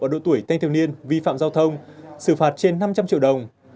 ở độ tuổi thanh thiếu niên vi phạm giao thông xử phạt trên năm trăm linh triệu đồng